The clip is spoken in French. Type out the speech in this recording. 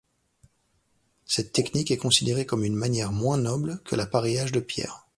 Cette technique est considérée comme une manière moins noble que l'appareillage de pierre.